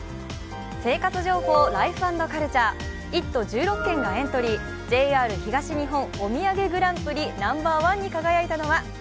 生活情報「ライフ＆カルチャー」１都１６県がエントリー、ＪＲ東日本おみやげグランプリ、ナンバーワンに輝いたのは？